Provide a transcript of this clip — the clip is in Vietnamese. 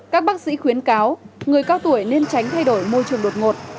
các bác sĩ khuyến cáo người cao tuổi nên tránh thay đổi môi trường đột ngột